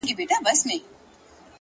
ژور انسان ژور اغېز پرېږدي.!